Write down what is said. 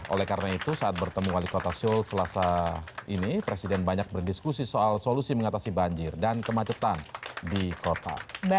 oleh karena itu saat bertemu wali kota seoul selasa ini presiden banyak berdiskusi soal solusi mengatasi banjir dan kemacetan di kota